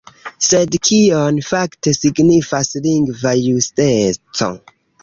Sed kion fakte signifas lingva justeco?